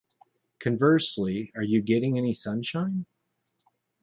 Conversely, Are You Getting Any Sunshine?